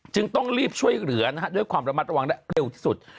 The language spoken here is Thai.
จึงต้องรีบช่วยเหลือนะฮะด้วยความระมัดระวังและเร็วที่สุด